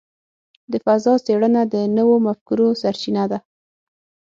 د فضاء څېړنه د نوو مفکورو سرچینه ده.